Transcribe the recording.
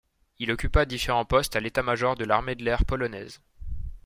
Il occupa différents postes à l'état-major de l'Armée de l'air polonaise.